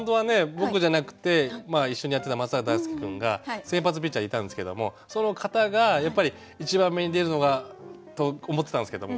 僕じゃなくて一緒にやってた松坂大輔君が先発ピッチャーでいたんですけどもその方がやっぱり１番目に出るのがと思ったんですけども